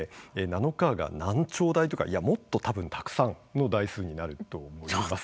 ナノカーが何兆台とかいや、もっと、たぶんたくさんの台数になると思います。